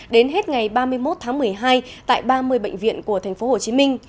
đến hết ngày ba mươi một tháng một mươi hai tại ba mươi bệnh viện của tp hcm